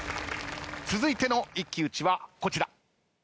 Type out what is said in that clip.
続いての一騎打ちはこちら。